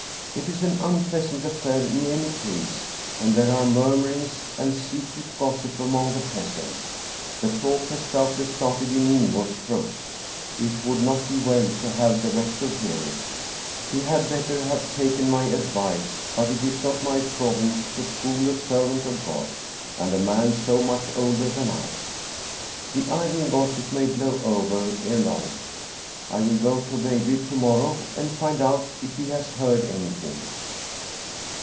It is an unpleasant af fair in any case, and there are murmurings and secret gos sip among the peasants. The talk has doubtless started 283 Scandinavian Mystery Stories in Ingvorstrup. It would not be well to have the rector hear it. He had better have taken my advice, but it isi not my province to school a servant of God, and a man so much older than I. The idle gossip may blow over ere long. I will go to Veilbye to morrow and find out if he has heard anything.